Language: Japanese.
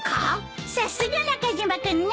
さすが中島君ね。